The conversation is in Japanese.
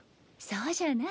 そうじゃな。